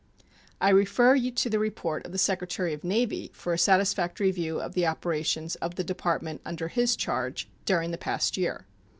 I refer you to the report of the Secretary of the Navy for a satisfactory view of the operations of the Department under his charge during the past year.